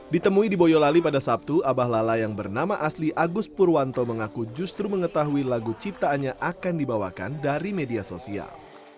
ditemui di boyolali pada sabtu abah lala yang bernama asli agus purwanto mengaku justru mengetahui lagu ciptaannya akan dibawakan dari media sosial